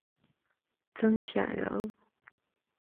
曾铣人。